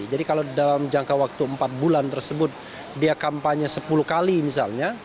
jadi kalau dalam jangka waktu empat bulan tersebut dia kampanye sepuluh kali misalnya